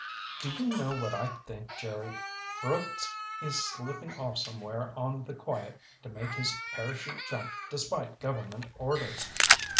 "Do you know what I think, Jerry? Brooks is slipping off somewhere on the quiet to make his parachute jump despite government orders!